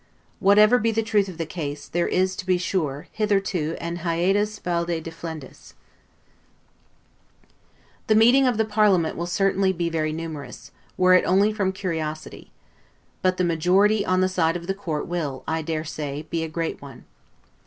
Whatever be the truth of the case, there is, to be sure, hitherto an 'hiatus valde deflendus'. The meeting of the parliament will certainly be very numerous, were it only from curiosity: but the majority on the side of the Court will, I dare say, be a great one.